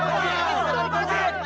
tidak ada apa pak